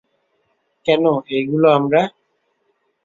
কেনো, এইগুলো আমরা।